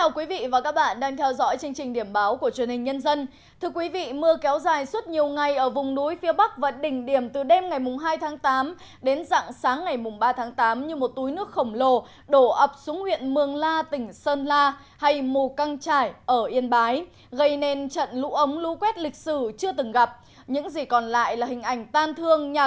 các bạn hãy đăng ký kênh để ủng hộ kênh của chúng mình nhé